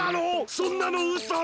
そんなのうそだ！